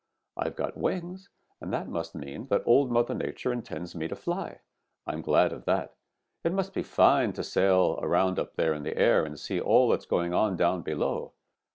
I've got wings, and that must mean that Old Mother Nature intends me to fly. I'm glad of that. It must be fine to sail around up in the air and see all that is going on down below.'